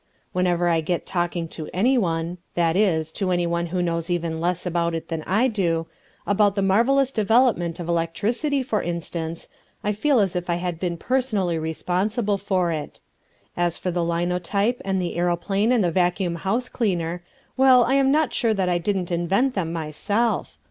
Whenever I get talking to anyone that is, to anyone who knows even less about it than I do about the marvellous development of electricity, for instance, I feel as if I had been personally responsible for it. As for the linotype and the aeroplane and the vacuum house cleaner, well, I am not sure that I didn't invent them myself.